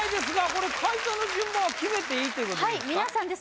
これ解答の順番は決めていいっていうことですか？